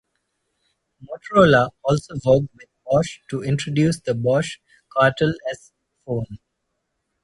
Motorola also worked with Bosch to introduce the "Bosch Cartel S" phone.